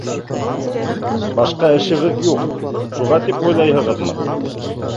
Башҡа эшебеҙ юҡ, шуға тип уйлайһығыҙмы?